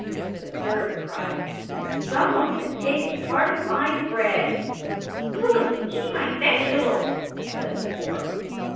The third cried, "Some one has taken part of my bread." "Who has been eating my vegetables?" said the fourth.